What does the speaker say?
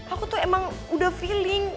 aku tuh emang udah feeling